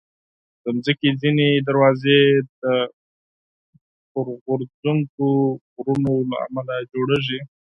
د مځکې ځینې دروازې د اورغورځونکو غرونو له امله جوړېږي.